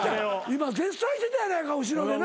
今絶賛してたやないか後ろでな。